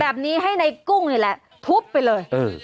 แบบนี้ให้ในกุ้งนี่แหละทุบไปเลย